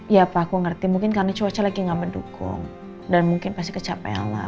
ya pak aku ngerti mungkin karena cuaca lagi nggak mendukung dan mungkin pasti kecapella